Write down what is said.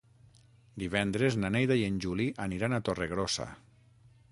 Divendres na Neida i en Juli aniran a Torregrossa.